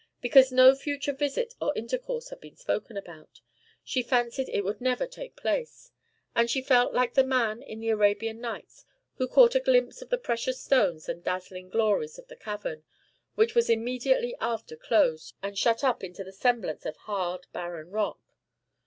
Because no future visit or intercourse had been spoken about, she fancied it would never take place; and she felt like the man in the Arabian Nights, who caught a glimpse of the precious stones and dazzling glories of the cavern, which was immediately after closed, and shut up into the semblance of hard, barren rock.